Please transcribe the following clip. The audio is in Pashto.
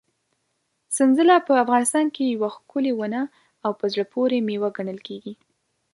سنځله په افغانستان کې یوه ښکلې ونه او په زړه پورې مېوه ګڼل کېږي.